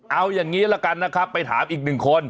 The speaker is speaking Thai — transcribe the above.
เอาอย่างนี้ละกันนะครับไปถามอีกหนึ่งคน